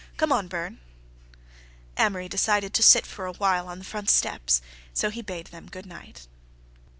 Come on, Burne." Amory decided to sit for a while on the front steps, so he bade them good night.